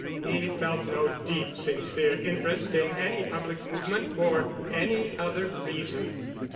He felt no deep, sincere interest in any public movement for any other reason.